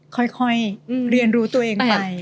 ค่อยเรียนรู้ตัวเองไป